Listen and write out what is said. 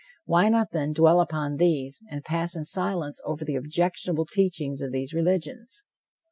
Why not, then, dwell upon these, and pass in silence over the objectionable teachings of these religions?